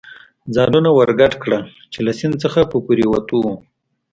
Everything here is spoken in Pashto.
ځانونه ور ګډ کړل، چې له سیند څخه په پورېوتو و.